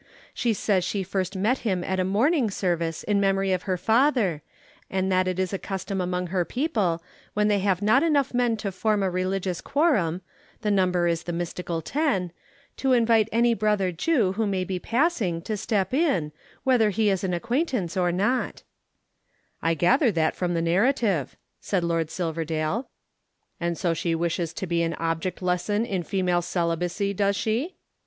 She says she first met him at a mourning service in memory of her father, and that it is a custom among her people when they have not enough men to form a religious quorum (the number is the mystical ten) to invite any brother Jew who may be passing to step in, whether he is an acquaintance or not." "I gathered that from the narrative," said Lord Silverdale. "And so she wishes to be an object lesson in female celibacy, does she?"